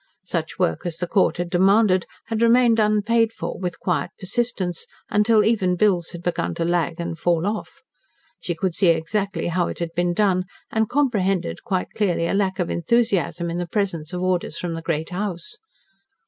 Such work as the Court had demanded had remained unpaid for with quiet persistence, until even bills had begun to lag and fall off. She could see exactly how it had been done, and comprehended quite clearly a lack of enthusiasm in the presence of orders from the Great House.